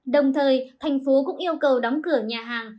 đồng thời thành phố cũng yêu cầu đóng cửa nhà hàng